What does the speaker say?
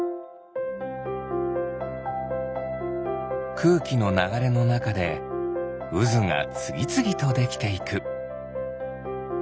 くうきのながれのなかでうずがつぎつぎとできていく。